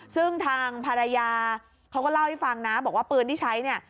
ซึ่งทางภรรยาเขาก็เล่าให้ฟังนะบอกว่าปืนที่ใช้เนี่ย